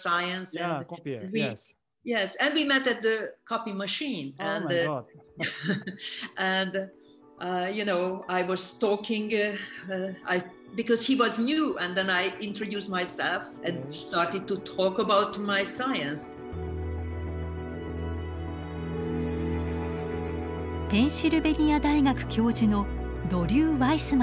ペンシルベニア大学教授のドリュー・ワイスマンさんです。